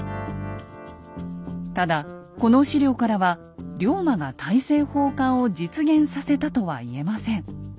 ただこの史料からは龍馬が大政奉還を実現させたとは言えません。